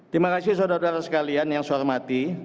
terima kasih saudara saudara sekalian yang saya hormati